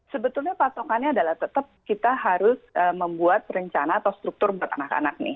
sebetulnya patokannya adalah tetap kita harus membuat rencana atau struktur buat anak anak nih